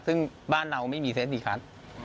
ซึ่งบ้านเราไม่มีเซฟดีคัส